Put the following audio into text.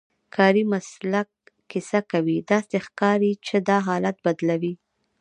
کاري مسلک کیسه کوي، داسې ښکاري چې دا حالت بدلوي.